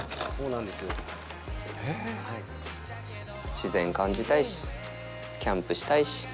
自然を感じたいし、キャンプしたいし。